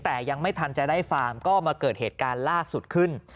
แต่ยังไม่ทันจะได้ฟาร์มก็มาเกิดเหตุการณ์ล่าสุดขึ้น